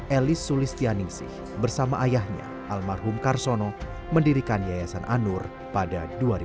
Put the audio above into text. elis sulistianingsih bersama ayahnya almarhum karsono mendirikan yayasan anur pada dua ribu dua